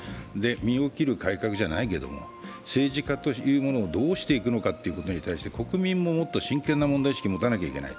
身を切る改革じゃないですけど、政治家というものをどうしていくのかということに国民も真剣な意識を持たなきゃいけない。